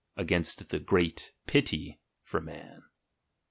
against the great pity for man!